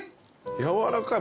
やわらかい。